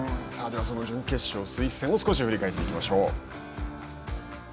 ではその準決勝を少し振り返っていきましょう。